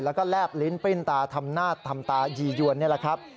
แล้วก็แลบลิ้นปริ้นตาทำหน้าทำตายียวนนี่แหละครับ